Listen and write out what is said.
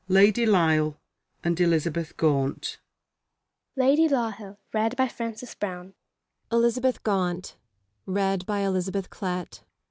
LADY LISLE AND ELIZABETH GAUNT.